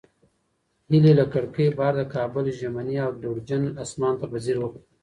هیلې له کړکۍ بهر د کابل ژمني او دوړجن اسمان ته په ځیر وکتل.